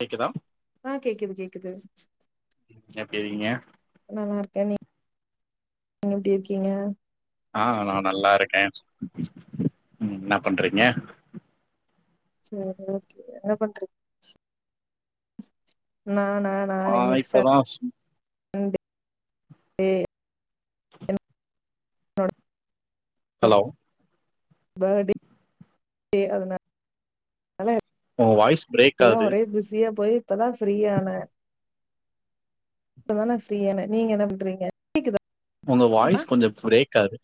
கேக்குதா ஆஹ் கேக்குது கேக்குது செரிங்க நான் நல்லா இருக்கேன் நீ நீங்க எப்படி இருக்கீங்க ஆஹ் நான் நல்லா இருக்கேன் உம் என்ன பண்றீங்க செரி ஓகே என்ன பண்றிங்க நானா ஆஹ் இன்னைக்கு இப்பதான் [unintelligible] [inaudible] தொட ஹலோ பர்டே அதனால உங் வாய்ஸ் பிரேக் ஆகுது அப்பதான் ஃப்ரீயான இப்ப தா ஃப்ரீயான நீங்க என்ன பண்றீங்க கேக்குதா உங்க இப்ப வாய்ஸ் கொஞ்சம் பிரேக்காகுது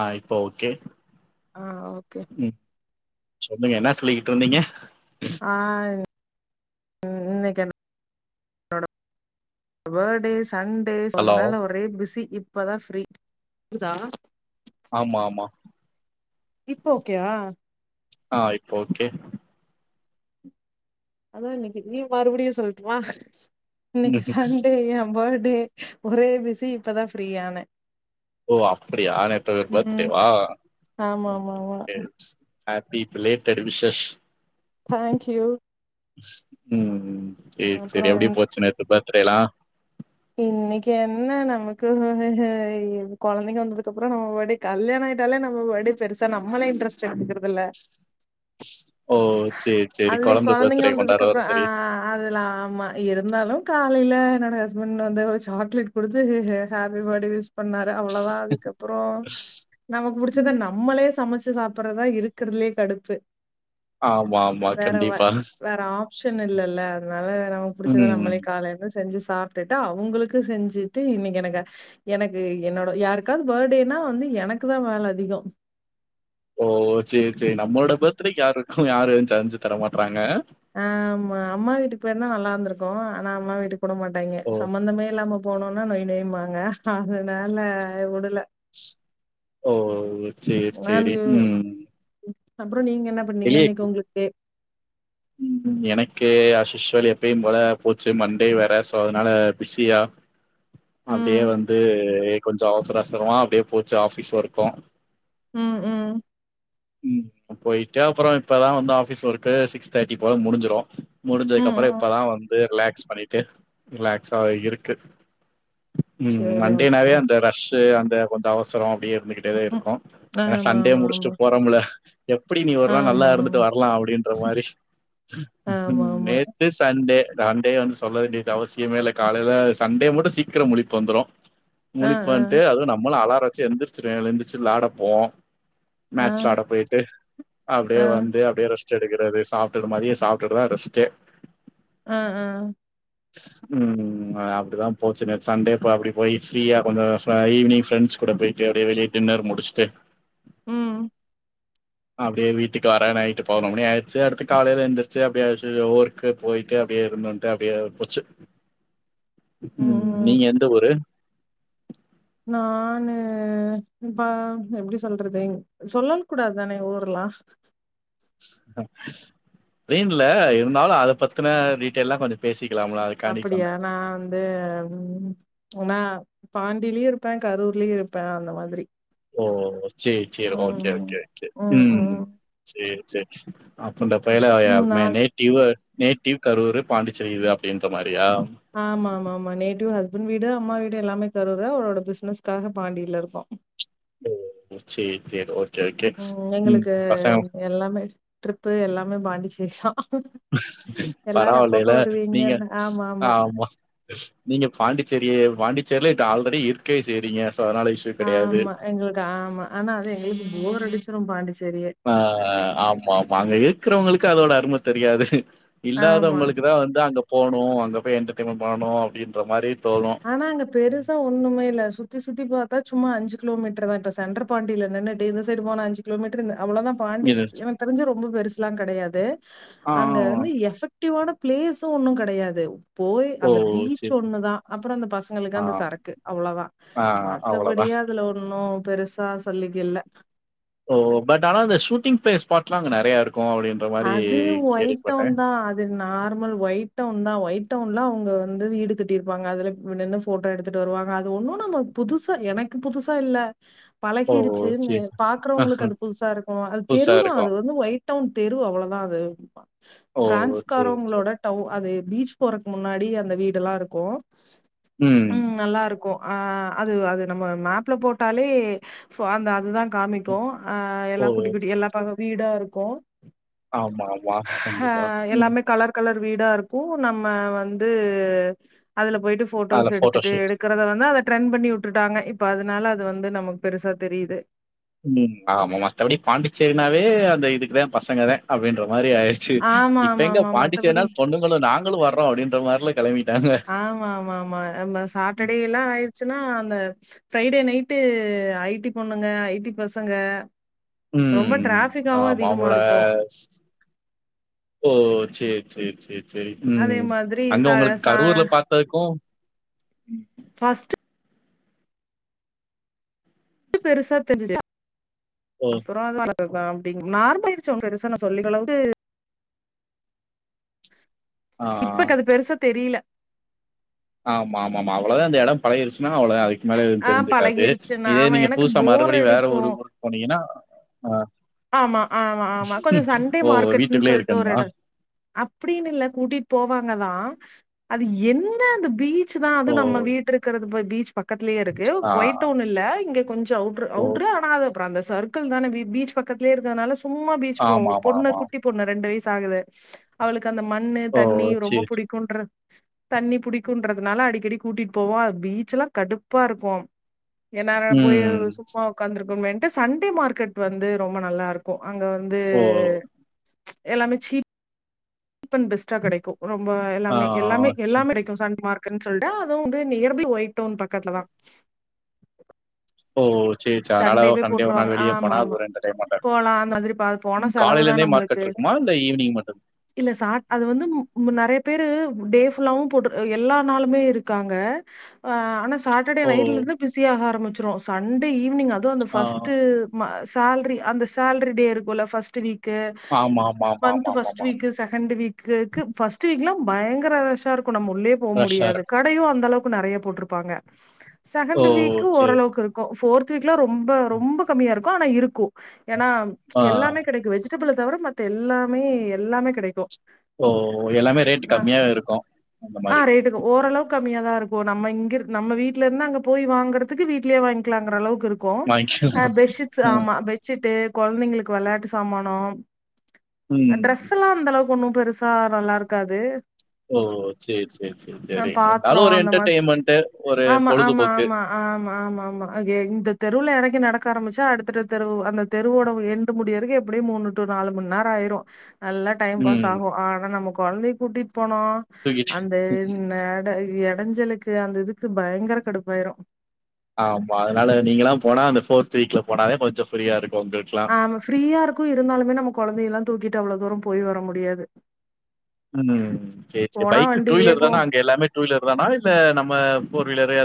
ஆஹ் இப்போ ஓகே ஆஹ் ஓகே ம் சொல்லுங்க என்ன சொல்லிக்கிட்டு இருந்தீங்க ஆஹ் உ இன்னைக்கு என்ன ஃபடே சண்டே ஹலோ சொன்னாலே ஒரே பிஸி ப்பதா ப்ரி கேகுதா ஆமா ஆமா இப்போ ஓகோவா ஆஹ் இப்போ ஓகே அதான் இன்னைக்கு நீ மறுபடியும் சொல்லட்டுமா இன்னைக்கு சண்டே என் பேர்டே ஒரே பிசி இப்பதான் ஃப்ரீயானே ஓ அப்படியா நேத்த ம். பர்த்டேவா ஆமா ஆமா ஆமா happy belated wishes thank you உம் உம் சேரி சேரி எப்படி இன் போச்சு நேத்துப் ப டே லா இன்னைக்கு என்ன நமக்கு கொழந்தைங்க வந்ததுக்கு அப்புறம் நம்ம ஃபடேகல்யாணம் ஆயிட்டாலே நம்ம ஃபடே பெருசா நம்மளே இன்ட்ரெஸ்ட் எடுத்தகறதில்ல ஓ சேரி சேரி அது கொழந்த கொழந்தைங்க பர்த்டே கொண்டாட வந்ததுக்கு வர அப்புறம் சரியா ஆஹ் அதுல்லாம் ஆமா இருந்தாலும் காலையில என்னோட ஹஸ்பண்ட் வந்து ஒரு சாக்லேட் கொடுத்து ஹாப்பி பர்டே விஸ் பண்ணாரு அவ்ளதா அதுக்கப்புறம் நமக்கு புடிச்சத நம்மளே சமைச்சு சாப்பறதா இருக்கறதுலே கடுப்பு ஆமா ஆமா கண்டிப்பா சன் இல்லல்ல அதனால நமக்கு புடிச்சத ம். நம்மலே காலைல செஞ்சு சாப்டிட்டு அவுங்களுக்கு செஞ்சுட்டு இன்னைக்கு எனக்கு எனக்கு என்னோட யாருக்காவது பர்த்டேனா வந்து எனக்கு தான் வேலை அதிகம் ஓ சேரி சேரி நம்மளோட பர்த்டேக்கு யாருக்கும் யாரு செஞ்சு தர மாட்றாங்க ஆஹ் அம்மா வீட்டுக்கு போயிருந்தா நல்லா இருந்திருக்கும் ஆனா அம்மா வீட்டுக்கு கூப்ட மாட்டாங்க ஓ! சம்பந்தமே இல்லாம போனோனா நொய் நொய் பாங்க அது வேல உடல ஓ சேரி சேரி உம் அப்புறம் நீங்க என்ன பண்ணீங்க இன்னைக்கு உங்களுக்கு உம் எனக்கு அஸ்யூஸ்வல் எப்பயும் போல போச்சு மண்டே வேற சோ அதனால பிஸியா அப்டியே ம் வந்து கொஞ்சம் அவசர ஆவசரமா அப்படியே போச்சு ஆபிஸ் ஒர்க்கும் உம் உம் போய்ட்டு அப்புறம் இப்பதான் வந்து ஆபீஸ் ஒர்க் சிக்ஸ் தேர்டி போல முடிஞ்சிரும் முடிஞ்சது ம் அப்புறம் ம் இப்போதான் வந்து ரிலாக்ஸ் பண்ணிட்டு ரிலாக்ஸா இருக்கு ம் சேரி ஓகே மண்டேனாவே அந்த ரஷ் அந் கொஞ்சம் அவசரம் அப்டியே வந்துகிட்டேதான் ம் இருக்கும் ஏன்னா ஆமா சண்டே ஆமா முடிச்சுட்டு போறம்ல எப்டி நீ ஒரு நாள் நல்லா ஆமா இருந்துட்டு ஆமா வரலாம் அப்படின்ற மாரி ஆமா ஆமா ம் ஆமா நேத்து சண் டே சண்டே வந்து சொல்ல வேண்டியது அவசியமே இல்ல காலையில சண்டே மட்டும் சீக்கிரம் முழிப்பு வந்துரும் ஆ முழிப்பு ஆ வந்துட்டு அது நம்மள அலார எந்திரிச்சிடுவேன் எந்திருச்சு விளாடப்போவோம் ஆ மேட்ச் ஆட போயிட்டு ஆ அப்டியே வந்து அப்டியே ரெஸ்ட் செடுகிரதே சாங் திருப்பி மதியம் சாப்டுததான் ரெஸ்டே ஹ ஹ ம் உஹம் அப்படிதான் போச்சு நேத்து சண்டே அப்படி போய் ஃப்ரீயா கொஞ்சம் ஈவினிங் ஃப்ரெண்ட்ஸ் கூட போயிட்டு அப்படியே வெளியே டின்னர் முடிச்சுட்டு ம் அப்டியே வீட்டுக்கு வரேன் நைட்டு பதினொறு மணி ஆயிடுச்சு அடுத்து காலையில எந்திரிச்சி அப்டியே சு ஊர்கு போயிட்டு அப்டியே இருந்துன்ட்டு அப்டியே போச்சு ம் நீங்க எந்த ஊரு நான்னு இப்பா எப்டி சொல்றது சொல்லல் கூடாது தானே ஊரலாம் தென்ல இருந்தாலும் அத பத்தின டீட்டெயல்லாம் கொஞ்சம் பேசிக் அப்டியா நான் வந்து ம் உனா பாண்டிலயும் இருப்பன் கரூர்லயும் இருப்பன் அந்த மாதிரி ஓஹ் சேரி சேரி ஓகே ம் ஓகே ம் ம்ம் ம் சேரி சேப்ஸ் ஆம் கொண்டா பயல ம் மேன் நாள் நைட்டி யுவர் நேட்டிவ் கரூர் பாண்டிச்சேரி இது அப்டின்ற மாரியா ஆமா ஆமா ஆமா நேட்டிவ் ஹஸ்பண்ட் வீடு அம்மா வீடு எல்லாமே கருர் அவரோட பிசினஸ்க்காக பாண்டியில இருக்கோம் ஓ சேரி சேரி ஓ ம் எங்களுக்கு எல்லாமே ட்ரிப்பு எல்லாமே பாண்டிச் இ ஷ்ஷா பரவில்லல நீங்க வருவீங்கன்னு ஆமா ஆமா ஆஹமா நீங்க பாண்டிச்சேரிய பாண்டி செர்லிட் ஆல்ரெடி இருக்கவே செய்றீங்க சோ அதனால இஷ்யூ கெடையாது ஆமா எங்களுக்கு ஆமா ஆனா அது எங்களுக்கு போர் அடிச்சு ரொம்ப அடிச்சு ஆஹ் ஆமா ஆமா அங்க இரு ருக்கிறவங்களுக்கு அதனோட அருமை தெரியாது ஆமா. இல்லாதவங்களுக்கு தான் வந்து அந்த போனும் அங்க போய் என்டர்டெயன்மெண்ட் பண்ணும் அப்டின்ற மாரி தோணு ஆனா அங்க பெருசா ஒண்ணுமே இல்ல சுத்தி சுத்தி பாத்தா சும்மா அஞ்சு கிலோ மீட்டர் தான் இப்ப சென்ரு பாண்டில நின்னுட்டு இந்த சைடு போன அன்சு கிலோமீட்டரு இந்த அவ்ளோதான் பாண்டி இது எனக்கு தெரிஞ்சு ரொம்ப பெருசு எல்லாம் கிடையாது ஆ அங்க ஆ ஆ. வந்து எபக் குட்டிவோட பிளேஸ்சும் ஒன்னும் கிடையாது போய் ஓ அந்த பீச் சேரி ஒண்ணு தான் அப்றோ அந்த பசங்களுக்கு ஆ அந்த சரக்கு அவ்வளவுதான் ஆ அவ்ளோதா மத்தபடியே அதுல ஒண்ணு ஓ பெருசா சொல்லிக் இல்ல ஓ பட் ஆனா அந்த ஷூட்டிங் ஸ்பாட்லாம் அங்க நெறைய இருக்கு அப்டின்ற மாரி அது ஒயிட் கேள்விப்பட்டே டவுன் தான் அது நார்மல் ஒயிட் ஒயிட் டவுன் தான் ஒயிட் டவுன்ல அவங்க வந்து வீடு கட்டியிருப்பாங்க அது நின்னு போட்டோ எடுத்துட்டு வருவாங்க அது ஒன்னும் நம்ம புதுசா எனக்கு புதுசா இல்ல ஓ பழகிருச்சுனு சேரி பாக்குறவுங்களுக்கு அது புதுசா இருக்கும் அது புதுசா தெருதான் இருக்கும். அது வந்து ஒய்ட் அவுன் தெரு அவ்வளவுதான் அது ஓ! சரி, சரி. பிரான்ஸ்காரவுங்களோட டவுன் அது பீச் போற முன்னாடி அந்த வீடுல்லாம் இருக்கும் ம். உம் நல்லா இருக் கோம் அது அது நம்ம மேப்ல போட்டாலே அந்த அதுதான் காமிக்கும் ஆஹ் ஓ! எல்லாம் குட்டி குட்டி சரி, எல்லா சரி. பக்கம் வீடாருக் கும் ஆமா ஆமா கண்டிப்பா எல்லாமே கலர் கலர் வீடா இருக்கும் நம்ம வந்து அதுல போயிட்டு அதுல போட்டோஸ் ஃபோட்டோ எடுத்துட்டு ஷூட். எடுக்கரத வந்து அதை ட்ரென் பண்ணிவுட்டு ட்டாங்க இப்ப அதனால அது வந்து நமக்கு பெருசா தெரியுது உம் ஆமா மதபடி பாண்டிச்சேரினாவே அந்த இதுக்குதான் பசங்க தான் அப்படின்ற மாரி ஆயிடுச்சு ஆமா இப்ப ஆமா எங்க ஆமா மத்தபடி பாண்டிச்சேரினா பொண்ணுங்களும் நாங்களும் வரோம் லும் அப்படின்றமாரில ஆமா ஆமா ஆமா நம்ம சாட்டர்டே ம். எல்லாம் ஆயி ச்சுன்னா அந்த ஃப்ரைடே நைட்டு ஐடி பொண்ணுங்க ஐடி பசங்க ரொம்ப உம் டிராபிக்காவு ஆஹ் அதிகமா மாமுல இருக்கு போச்சி சேரி சேரி சரி உம் அதே மாதிரி அங்க ச உங்களுக்கு ச கரூர்ல பாத்ததுக்கும் ஃபர்ஸ்ட் பெருசா தெரிஞ் ஓ! அப்ரோலா அப்பிடுத்த அப்படிங் நார்ம ஆச்சங்க பெருசா சொல்லிக்கறளவுக்கு ஆ. இப்பக்கு அது பெருசா தெரியல ஆமா ஆமா அவ்வளதான் இந்த இடம் பழகிடிச்சுனா அவ்லோதா மழ எதுவும் ஆ தெரிஞ்சுக்காது பழகிருச்சுன்னா இதே ஆமா நீங்க எனக்கு புதுசா போர் மறுபடியும் வேற அடிக்கு. ஊருக்கு கூப்டு போனீங்கன்னா ஆ ஆமா ஆமா ஆமா கொஞ்சம் சண்டே ஓ! மார்க்கெட்ன்னு வீட்டுக்குள்ளயே சொல்லிட்டு ஒரு இருக்கணுமா? இடம் அப்டின்னு இல்ல கூட்டிட்டு போவாங் வாங்தான் அது என்ன அந்த பீச் பீச்தான் அது ஓ! நம்ம வீட்டுருக்கற பீச் பக்கத்தலயே இருக்கு ஆ ஒயிட் வுன் இல்ல இங்க கொஞ்சம் அவுட் ஓ! அவுட்ரு ஆனா அப்ற அந்த சர்கல் தான பீச் பக்கத்திலய இருக்கிறதுனால சும்மா பீச் போவோம் பொண்ணு ஆமாமாமா. குட்டி பொண்ணு ரெண்டு வயசு ரெண்டுவயசாகுது அவளுக்கு அந்த மண்ணு ஓ! தண்ணி ரொம்ப சரி, சரி. பிடிக்கும்றது தண்ணி புடிக்கும்றதனால அடிக்கடி கூட்டிட்டு போவோம் பீச் எல்லாம் கடுப்பா இருக்கும் என்னல போய் ம். சும்மா உக்காந்துரு சண்டே மார்க்கெட் வந்து ரொம்ப நல்லா இருக்கும் அங்க வந்து ஓ! எல்லாமே சீப் சீப்பன் பெஸ்டா கிடைக்கும் ரொம்ப ஆ எல்லாமே எல்லாமே சரி, எல்லாமே சரி. கிடைக்கும் சண்டே மார்க்ல இருக்கு சொல்லிட்டு அதுவும் வந்து நியர்பைஒயிட் டவுன் பக்கத்துல தான் ஓஓ சண்டேவே போட்டுருவாங்க ஆமா ஆமா ஒரு என்டர்டெயின்மெண்ட்டா இருக்கும். போலாம் மாதிரி பாப்போ ஆன ம் செலவு தான் காலையிலேருந்தே நம்மளுக்கு மார்க்கெட் இருக்குமா? இல்ல ஈவினிங் மட்டும்? இல்ல சா அது வந்து நெறைய நெறைய பேரு டே ஃபுல்லா போட்டு இருப்பாங்க எல்லா நாளுமே இருக்காங்க ஆன சாட்டர்டே ஓ! நைட்ல இருந்து பிசியாக ஆரம்பிச்சு சண் டே ஈவினிங் நீங்க அதொ அந்த ஆ ஃபஸ்ட்டு சேலரி அந்த சேலரி டே இருக்கும்ல first week month first ஆமாமாமாமாமாமா. Week second week first வீக்லாம் பயங்கர ரஷ்ஷா இருக்கு நம்மோ உள்ளே போக ரஷ்ஷா முடியாது இருக்கும். கடையும் அந்த அளவுக்கு நெறைய போட்டிருப்பாங்க ஓ! செகண்ட் வீக் சரி. சரி. ஓரளவுக்கு இருக்கும் போர்த் வீக் கிலோ ரொம்ப ரொம்ப கம்மியா இருக்கு இருக்கும் ஆனா இருக்கும் ஏன்னா ஆ. எல்லாமே கிடைக்கும் வெஜ்ஜி வெஜிடபிள்ள தவிர மத்த எல்லாமே எல்லாமே கிடைக்கும் ஓ எல்லாமே ரேட் கம்மியா இருக்கும் அந்த மாதிரி இப்போ நம்ம இங்க நம்ம வீட்ல இருந்து அங்க போய் வாங்கறதுக்கு வீட்லயே வாங்கி லாங்கிற அளவுக்கு இருக்கு வாங்கிக்கலாம். பெட்ஷீட்ஸ் ஆ. ஆமா பெட்ஷீட்டு கொலைந்தைங்களுக்கு வெளாட்டு சாமானோ ம். ட்ரெஸ்ல்லா அந்த அளவுக்கு ஒண்ணு பெருசா நல்லா இருக்காது ஓ சேரி சேரி சேரி ஆ சேரிங்க பாத்ரோ இருந்தாலு ஒரு அந்த மாதிரி என்டர்டெயின்மென்ட்டு ஒரு ஆமா ஆமா பொழுதுபோக்கு ஆமா ஆமா ஆமா ஆமா அ இந்த தெருவுல எறங்கி நடக்க ஆரமுச்சா அடுத்தடுத்த தெரு அந்த தெருவோட எண்டு முடியறக்கு எப்டியோ மூணு டூ நாலு மணி நேரோ ஆயிரு நல்லா டைம் பாஸ் ம். ஆகும் ஆனா நமக்கு கொழந்தை கூட்டிட் போனோ தூக்கிட்டு அந்த நட எ அடஞ்சலுக்கு அந்த இதுக்கு பயங்கர கடுப்பாயிரும் ஆமா அதனால நீங்க எல்லா போனா அந்த ஃபோர்த் வீக்ல போனா தா கொஞ்ஜோ ஃப்ரீயா இருக்கு ஆமா ஃப்ரீயா இருக்கு இருந்தாலுமே நமக் கொலைந்தையெல்லா தூக்கிட்டு அவ்வளோ தூரம் போய் வர முடியாது ம் சேரி சேரி போனா பைக் டூ வண்டிலயே வீலர் போவோ தானா அங்க எல்லாமே டூ வீலர் தானா இல்ல நம்ம ஃபோர் வீலரே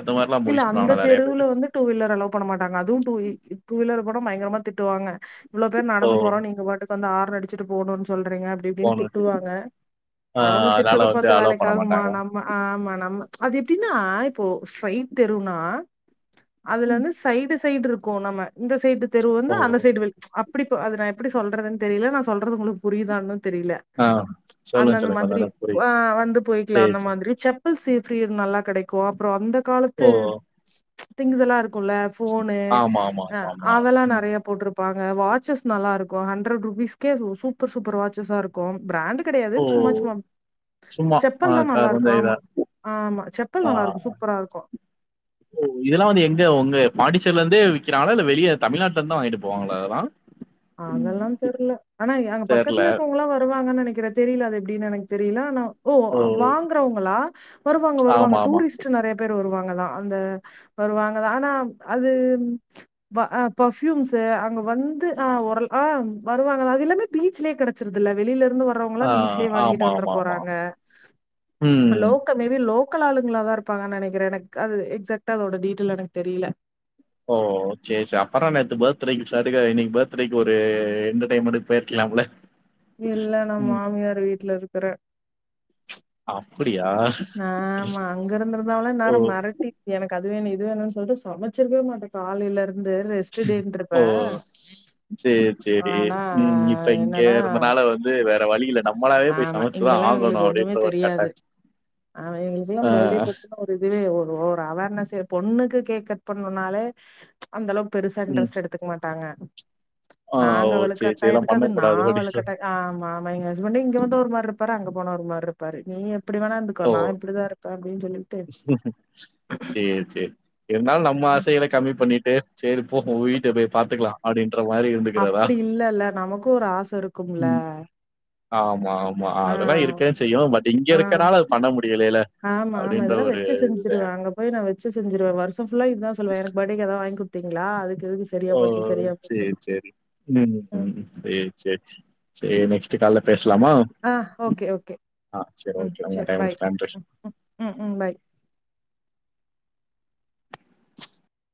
இல்ல அந்த தெருவுல வந்து டூ வீலர் அலோ பண்ண மாட்டாங்க அதுவும் டூ டூ வீலர் கூட பயங்கரமா திட்டுவாங்க இவ்ளோ பேர் ஓ! நடந்து போறோ நீங்க பாட்டுக்கு வந்து ஆர்ன் அடி ச்சிட்டு போனோன்னு சொல் றீங்க அப்டி இப்டினு போனுட்டு. திட்டுவாங்க ஆ அவங்க அதனால திட்டுறத வந்து பாத்து அலோ பண்ண வேலைக்காகுமா மாட்டாங்க. நம்ம ஆமா நம்ம ச்சு அது எப்டின்னா போ ஃபைன் தெருனா அதுல ம். வந்து சைடு சைடு இருக்கோம் நம்ம இந்த சைடு த் தெருவ் வந்து ஓ! அந்த சைடு வழி அப் இப்படிப்ப அது நான் எப்டி சொல்றதுன்னு தெரில நா சொல்றது உங்களுக்கு புரியுதான்னு தெரியல ஆ. சொல்லுங்க, அந்தந்த சொல்லுங்க. கொஞ்சம் மாதிரி நல்லா புரியுது. ஆ வந்து போயிக்கலாம் சரி, அந்த சரி. மாதிரி செப் சேப்ரியர் நல்லா கெடைக்கு அப்புறோ அந்த காலத் ஓ! தேப் ச்சு திங்ஸ்லா இருக் இல்ல ஃபோனு ஆமா, ஆமா, ஆமா, ஆமா. அதெல்லா ம். நறைய போட்ற்ப் ப்பாங்க வாட்சஸ் நல்லா இருக்கு ஹண்ட்ரட் ருபீஸ்கே சூப்பர் சூப்பர் வாட்சஸா இருக்கு பிராண்டு கெடையாது ஓ! சும்மா சும்மா சும்மா ஆ செப்பெல்லா க நல்லா கொஞ்ச இருக்கு இதா ஆமா ஆமா செப்பல் நல்லா இருக்கு சூப்பரா இருக்கு ஓ இதல்ல வந்து எங்க உங்க பாண்டிசேரில இருந்தே விக்கிறாங்களா இல்ல வெளிய தமிழ்நாட்டுல இருந்தான் வாங்கிட்டு போவாங்களா இதெல்லாம் அதெல்லாம் தெரியல ஆனா அங்க தெர்ல பக்கத்துல இருக்கவங்களாம் வருவாங்கன்னு நினைக் கிற தெரியல அது எப்படின்னு எனக்கு தெரியல ஆனா ஓ வாங்கறவங்களா வருவாங்க வருவாங்க ஆமா ஆமா டூரிஸ்ட் நறைய பேர் வருவாங்க அந்த வருவங்க ஆனா அது ஆ பர்பூயூம்ஸ் அங்க வந்து ஆஹ்ர வருவாங்க அது இல்லாமே பீச்சலயே கிடைச்சறதுல்ல வெளியில இருந்து வர்றவங்க ஆ பீச்லே வாங்கிட்டு ஆமா வந்து ஆமா ஆமா போறாங்க ம் லோக்க மேபி லோக்கல ஆளு உங்களா தான் இருப்பாங்க நினைக்றன் எனக்கு அது எக்ஸக்ட்டா அதோட டீட்டெயல் எனக்கு தெரில ஓ சேர் சேரி அப்பனா நேத்து பர்த்டேக்கு சாரி தான் இன்னைக்கு பர்த்டேக்கு ஒரு என்டர்டமெண்ட்க்கு போயிருக்கலாம்ல இல்ல நா ம் மாமியார் வீட்டுல இருக் ற ச்ச ஆஹ் ஆமா அங்க இருந்திருந்தாலும் ஓ இந்நேரம் மெரட்டி எனக்கு அது அது வேணம் இது வேணும் சொல்லிட்டு சமைச்சிருக்கவே மாட்டன் காலையில இருந்து வந்த ரெஸ்ட்டே இருப்ப செரி உம் இப்ப இங்க இருந்தனால வந்து வேற வழி இல்ல நம்மளாவே போய் ஆமா சமைச்சுதா இங்கெல்லாம் ஆகணு இதுங்களுக்கு ஒண்ணுமே அப்டின்ற ஒரு தெரியாது கட்டாய ஆமா ஆ எங்களுக்குெல்லாம் பர்த்டே ப ஒரு இதுவே அவ என்ன சரி பொண்ணுக்கு கேக் கட் பண்ணும்னாலே அந்த அளவுக்கு பெருசா ம் இன்ரஸ்ட் எத்துக்க மாட் ட்டாங்க ஆ ஓ நாங்க சேரி சேரி இதெல்லா வழுக்கட்டாயதுக்கு அது பண்ணக்கூடாது நான் அப்டின்ற வழுக்கட்ட ஆமாமாங்க ங்க வந்து ஒரு மார் பாரு அங்க போன ஒரு மார் இருப்பாரு நீ எப்படி வேணா இருந்துக்கோ நா இப்படி தான் இரு செரி செரி இருந்தலும் நம்ம ஆசைகள கம்மி பண்ணிட்டு சரி போ உ வீட்டு போய் பாத்துக்கலாம் அப்படின்னு அப்படி இல்ல இல்ல நமக்கும் ஒரு ஆச இருக்கும்ல ம். ஆமா ஆமா ஆ அதெல்லாம் இருக்கன்னு செய்யும் பட் இங்க இருக்கனால அது பண்ண முடியலல்ல இதெல்லாம் வச்சு செஞ்சிருவேன் அங்க போய் நான் வச்சு செஞ்சிருவேன் வருஷம் ல்லா இதான் சொல்வேன் என பர்டேக்கு எதாவது வாங்கி குத் ங்களா அது ஓ செரி செரி ம் ம் செரி செரி செரி கால்ல பேசு ஆஹ ஓகே ஓகே சரி ம் ஓகே. உங்க சரி டைம் பாய் முடிச்சு நன்றி. உம் ம் ம் உம் பாய்